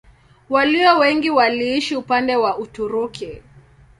Walio wengi waliishi upande wa Uturuki.